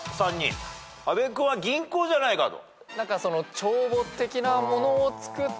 阿部君は銀行じゃないかと。